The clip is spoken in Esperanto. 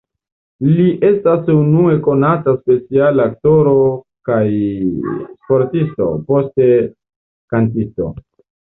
Li estas unue konata speciale aktoro kaj sportisto, poste kantisto.